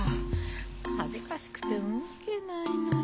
恥ずかしくて動けないのよ。